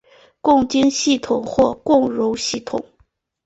共晶系统或共熔系统。